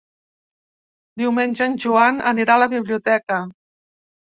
Diumenge en Joan anirà a la biblioteca.